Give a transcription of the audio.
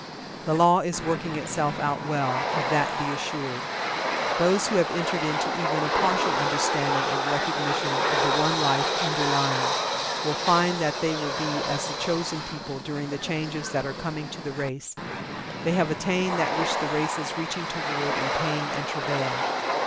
The Law is working itself out well of that be assured. Those who have entered into even a partial understanding and recognition of the One Life underlying, will find that they will be as the chosen people during the changes that are coming to the race. They have attained that which the race is reaching toward in pain and travail.